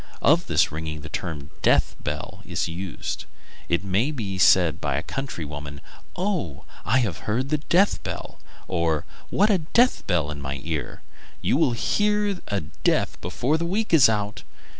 Of this ringing the term "death bell" is used. It may be said by a country woman: "Oh! I have heard a death bell!" or, "What a death bell in my ear! You will hear of a death before the week is out."